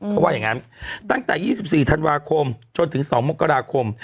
เขาว่าอย่างนั้นตั้งแต่๒๔ธันวาคมจนถึง๒มกราคม